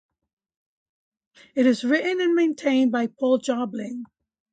It is written and maintained by Paul Jobling.